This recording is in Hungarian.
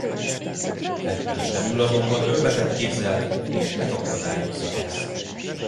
Batman sem ül azonban ölbe tett kézzel és megakadályozza ezt.